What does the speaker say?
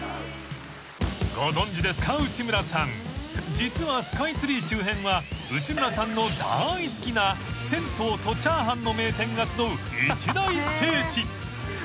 ［実はスカイツリー周辺は内村さんの大好きな銭湯とチャーハンの名店が集う一大聖地］